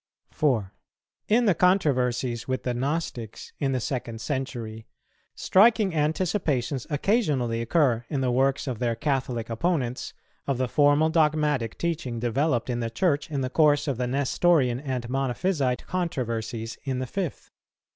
4. In the controversies with the Gnostics, in the second century, striking anticipations occasionally occur, in the works of their Catholic opponents, of the formal dogmatic teaching developed in the Church in the course of the Nestorian and Monophysite controversies in the fifth.